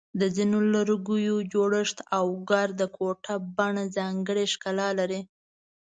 د ځینو لرګیو جوړښت او ګرده ګوټه بڼه ځانګړی ښکلا لري.